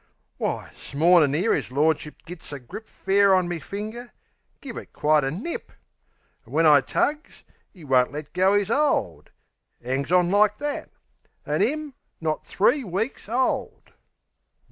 Why! 'smornin' 'ere 'is lordship gits a grip Fair on me finger give it quite a nip! An' when I tugs, 'e won't let go 'is hold! 'Angs on like that! An' 'im not three weeks old!